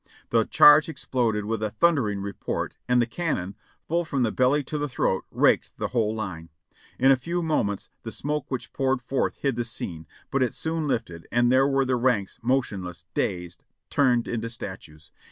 The charge exploded with a thun dering report and the cannon, full from the belly to the throat, raked the whole line. "For a few moments the smoke which poured forth hid the scene, but it soon lifted, and there were the ranks motionless, dazed, turned into statues.